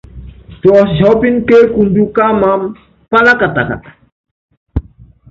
Tuɔsiɔ́pínɛ́ ke ekundu ká amam palakatakata.